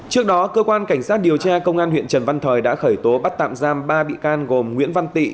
trước đó cơ quan cảnh sát điều tra công an huyện trần văn thời đã khởi tố bắt tạm giam ba bị can gồm nguyễn văn tị